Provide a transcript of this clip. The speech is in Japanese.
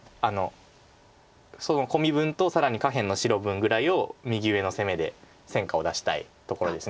そのコミ分と更に下辺の白分ぐらいを右上の攻めで戦果を出したいところです